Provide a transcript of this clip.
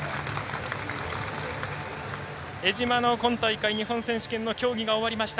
江島の今大会、日本選手権の競技が終わりました。